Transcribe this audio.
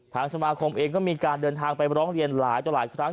ทางสมาคมเองก็มีการเดินทางไปร้องเรียนหลายต่อหลายครั้ง